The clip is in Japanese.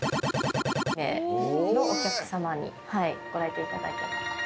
のお客さまにご来店いただいて。